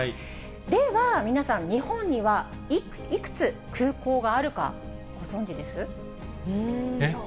では皆さん、日本にはいくつ空港があるか、うーん、いやー。